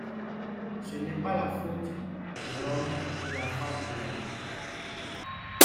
Ce n’est pas la faute de l’homme ou de la femme de la rue.